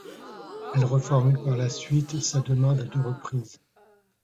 Elle reformule par la suite sa demande à deux reprises.